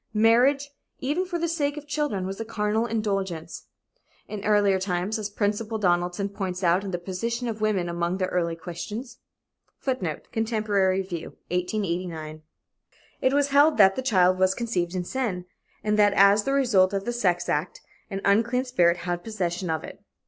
"Marriage, even for the sake of children was a carnal indulgence" in earlier times, as Principal Donaldson points out in "The Position of Women Among the Early Christians." [Footnote: Contemporary Review, 1889.] It was held that the child was "conceived in sin," and that as the result of the sex act, an unclean spirit had possession of it.